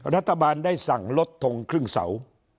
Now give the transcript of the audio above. รัฐบาลได้สั่งลดทงครึ่งเสา